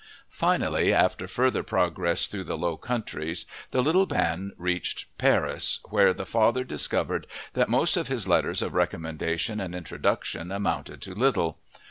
Finally, after further progress through the Low Countries the little band reached Paris, where the father discovered that most of his letters of recommendation and introduction amounted to little.